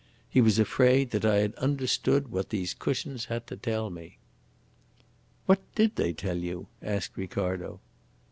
He was afraid that I had understood what these cushions had to tell me." "What did they tell you?" asked Ricardo.